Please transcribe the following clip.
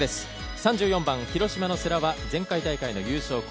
３４番、広島の世羅は前回大会の優勝校。